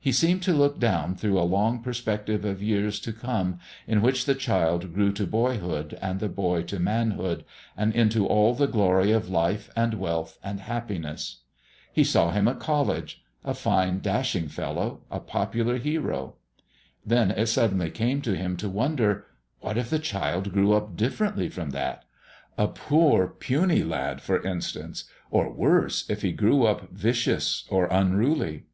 He seemed to look down through a long perspective of years to come in which the child grew to boyhood, the boy to manhood, and into all the glory of life and wealth and happiness. He saw him at college a fine, dashing fellow, a popular hero. Then it suddenly came to him to wonder what if the child grew up differently from that a poor, puny lad, for instance or, worse, if he grew up vicious or unruly?